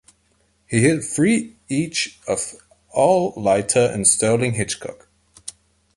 He hit three each off Al Leiter and Sterling Hitchcock.